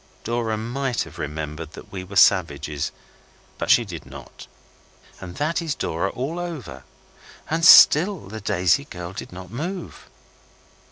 Dora might have remembered that we were savages, but she did not. And that is Dora all over. And still the Daisy girl did not move.